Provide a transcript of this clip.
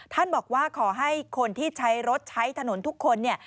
บอกว่าขอให้คนที่ใช้รถใช้ถนนทุกคนเนี่ย